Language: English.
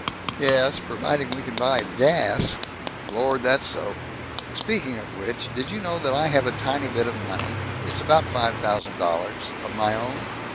"Ye es, providing we can still buy gas." "Lord, that's so." "Speaking of which, did you know that I have a tiny bit of money it's about five thousand dollars of my own?"